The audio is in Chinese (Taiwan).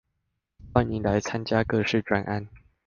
歡迎來參加各式專案